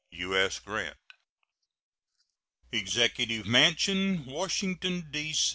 U.S. GRANT. EXECUTIVE MANSION, _Washington, D.